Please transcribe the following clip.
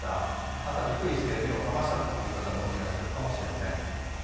朝びっくりした目を覚ましたという方もいらっしゃるかもしれません。